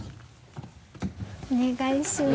お願いします。